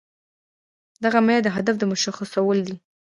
دغه معيار د هدف مشخصول دي.